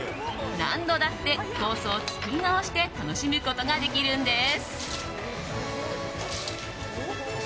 何度だってコースを作り直して楽しむことができるんです。